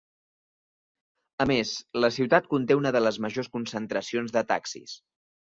A més, la ciutat conté una de les majors concentracions de taxis.